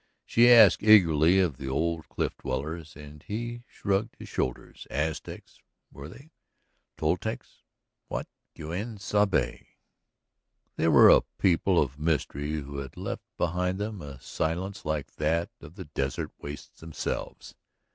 She asked eagerly of the old cliff dwellers and he shrugged his shoulders. Aztecs, were they? Toltecs? What? Quien sabe! They were a people of mystery who had left behind them a silence like that of the desert wastes themselves.